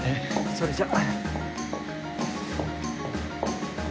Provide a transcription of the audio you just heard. それじゃ。